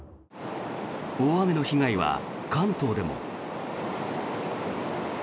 大雨の被害は関東でも。